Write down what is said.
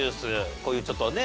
こういうちょっとね